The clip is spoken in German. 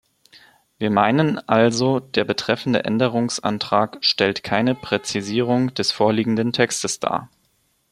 Wir meinen also, der betreffende Änderungsantrag stellt keine Präzisierung des vorliegenden Textes dar.